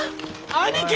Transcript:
兄貴！